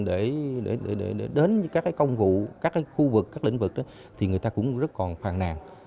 thực hiện để đến các cái công vụ các cái khu vực các lĩnh vực đó thì người ta cũng rất còn phàn nàn